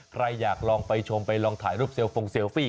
ใครอยากลองไปชมไปลองถ่ายรูปเซลฟงเซลฟี่